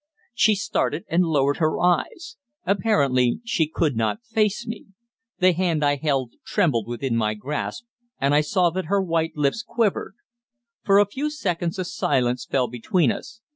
She started, and lowered her eyes. Apparently she could not face me. The hand I held trembled within my grasp, and I saw that her white lips quivered. For a few seconds a silence fell between us.